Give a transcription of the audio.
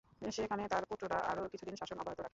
সেখানে তার পুত্ররা আরও কিছুদিন শাসন অব্যাহত রাখে।